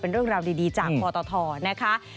เป็นเรื่องราวดีจากพตนะคะ